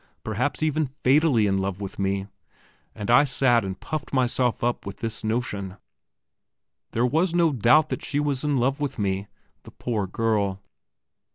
perhaps even fatally in love with me; ... and I sat and puffed myself up with this notion. There was no doubt that she was in love with me, the poor girl.